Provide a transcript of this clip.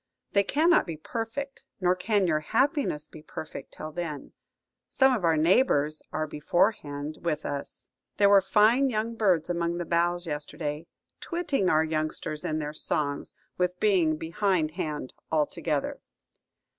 They cannot be perfect, nor can your happiness be perfect, till then. Some of our neighbours are beforehand with us. There were fine young birds among the boughs yesterday, twitting our youngsters in their songs with being behindhand altogether."